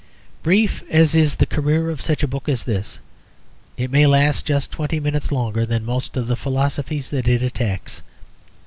Brief as is the career of such a book as this, it may last just twenty minutes longer than most of the philosophies that it attacks.